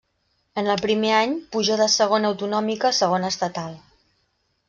En el primer any puja de Segona Autonòmica a Segona Estatal.